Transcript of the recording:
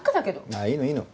あぁいいのいいの。